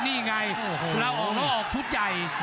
นี่ไงลาออกแล้วออกชุดใหญ่